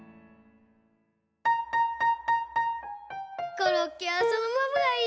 コロッケはそのままがいいよ。